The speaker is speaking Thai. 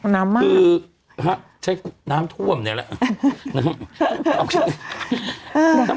น้ำมากคือใช่น้ำท่วมเนี่ยแหละ